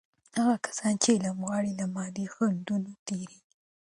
هغه کسان چې علم غواړي، له مادي خنډونو تیریږي.